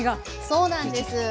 そうなんです。